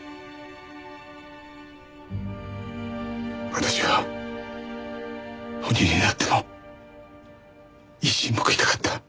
私は鬼になっても一矢報いたかった。